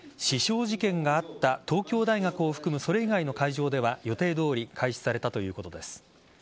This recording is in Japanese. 刺傷事件があった東京大学を含むそれ以外の会場では予定どおり開始されたということです。